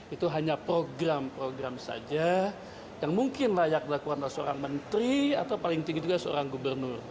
itu hanya program program saja yang mungkin layak dilakukan oleh seorang menteri atau paling tinggi juga seorang gubernur